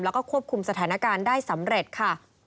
แล้วก็ควบคุมสถานการณ์ได้สำเร็จค่ะ